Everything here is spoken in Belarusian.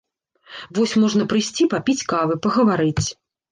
Вось можна прыйсці папіць кавы, пагаварыць.